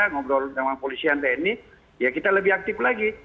ngobrol dengan polisian tni ya kita lebih aktif lagi